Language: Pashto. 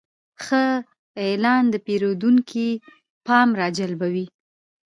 ښه اعلان د پیرودونکي پام راجلبوي.